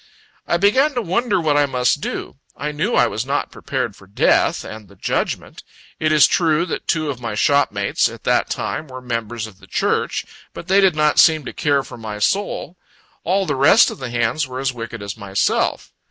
I began to wonder what I must do. I knew I was not prepared for death and the Judgment. It is true that two of my shopmates, at that time, were members of the church; but they did not seem to care for my soul. All the rest of the hands were as wicked as myself.